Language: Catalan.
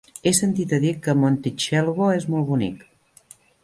He sentit a dir que Montitxelvo és molt bonic.